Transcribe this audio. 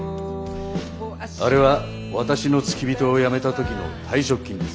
あれは私の付き人を辞めた時の退職金です。